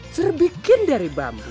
serbikin dari bambu